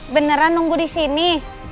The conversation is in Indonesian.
beneran nunggu di sini